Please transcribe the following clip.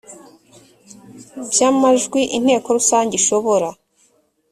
by amajwi inteko rusange ishobora